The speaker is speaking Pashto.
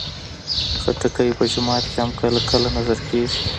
خټکی په جومات کې هم کله کله نذر کېږي.